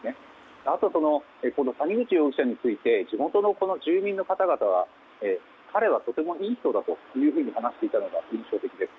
あと、谷口容疑者について地元の住民の方々は彼はとてもいい人だというふうに話していたのが印象的です。